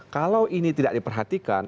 kalau ini tidak diperhatikan